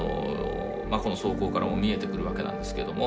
この草稿からも見えてくるわけなんですけども。